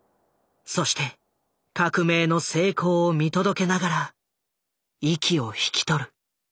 そして革命の成功を見届けながら息を引き取る。